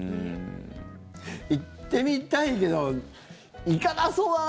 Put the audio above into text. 行ってみたいけど行かなそうだな。